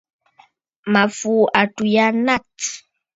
Mǝ̀ fùu àtû yâ natt.